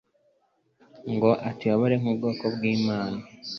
ngo atuyobore nk’ubwoko bw’Imana.